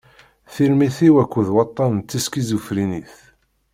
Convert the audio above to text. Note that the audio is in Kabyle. Tirmit-iw akked waṭṭan n teskiẓufrinit.